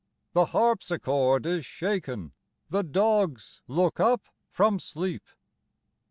The harpsichord is shaken, the dogs look up from sleep.